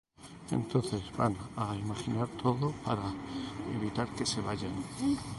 Entonces van a imaginar todo para evitar que se vayan.